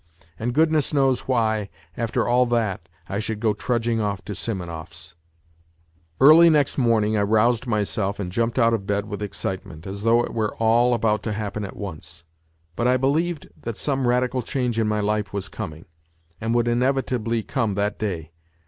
.., And goodness knows why, after all that, I should go trudging off to Simonov's ! Early next morning I roused myself and jumped out of bed with excitement, as though it were all about to happen at once. But I believed that some radical change in my life was coming, and would inevitably come that day.